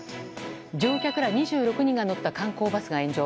乗客ら２６人が乗った観光バスが炎上。